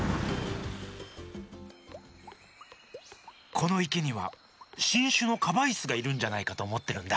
このいけにはしんしゅのカバイスがいるんじゃないかとおもってるんだ。